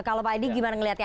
kalau pak edi gimana melihatnya